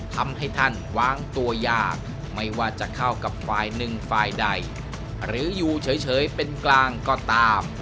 ทำให้ท่านวางตัวยากไม่ว่าจะเข้ากับฝ่ายหนึ่งฝ่ายใดหรืออยู่เฉยเป็นกลางก็ตาม